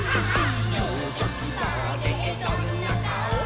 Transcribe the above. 「グーチョキパーでどんなかお？」